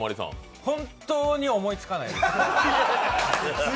本当に思いつかないです。